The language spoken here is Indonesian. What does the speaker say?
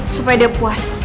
supaya dia puas